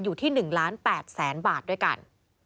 อยู่ที่๑๘๐๐๐๐๐บาทด้วยกัน